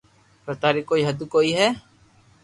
پر ٿاري ڪوئي ھد ڪوئي ھي